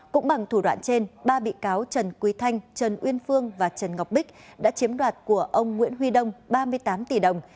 cũng bằng thủ đoạn trên ba bị cáo trần quý thanh trần uyên phương và trần ngọc bích đã chiếm đoạt của ông nguyễn huy đông ba mươi tám tỷ đồng